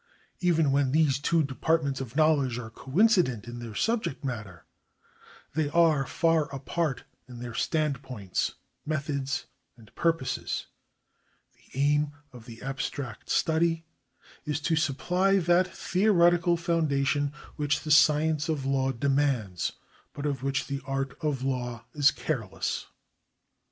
Even when these two departments of knowledge are coincident in their subject matter, they are far apart in their standpoints, methods, and purposes. The aim of the abstract study is to supply that theoretical foundation § 8] THE SCIENCE OF JURISPRUDENCE 5 which the science of law demands, but of which the art of law is careless.